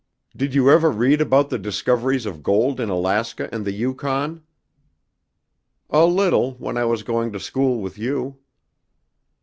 Did you ever read about the discoveries of gold in Alaska and the Yukon?" "A little, when I was going to school with you."